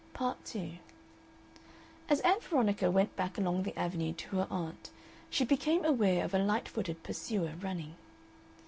Part 2 As Ann Veronica went back along the Avenue to her aunt she became aware of a light footed pursuer running.